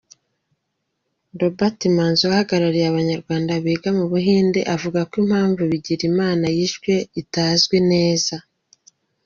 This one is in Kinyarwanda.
Robert Manzi uhagarariye Abanyarwanda biga mu Buhinde avuga ko impamvu Bigirimana yishwe itazwi neza.